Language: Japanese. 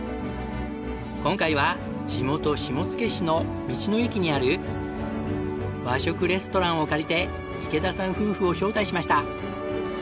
今回は地元下野市の道の駅にある和食レストランを借りて池田さん夫婦を招待しました。